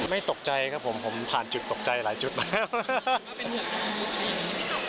ตกใจครับผมผมผ่านจุดตกใจหลายจุดมาแล้ว